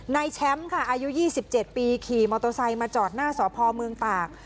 นายแชมป์ค่ะอายุ๒๗ปีขี่มอเตอร์ไซค์มาจอดหน้าสพเมืองตาก